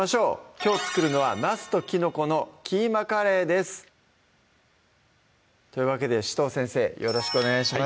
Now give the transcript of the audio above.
きょう作るのは「なすときのこのキーマカレー」ですというわけで紫藤先生よろしくお願いします